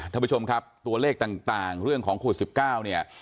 ท่านผู้ชมครับตัวเลขต่างเรื่องของโควิด๑๙เนี่ย